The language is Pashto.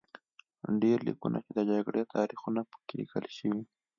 ډبرلیکونه چې د جګړو تاریخونه په کې لیکل شوي